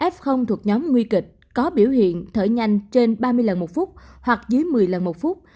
f thuộc nhóm nguy kịch có biểu hiện thở nhanh trên ba mươi lần một phút hoặc dưới một mươi lần một phút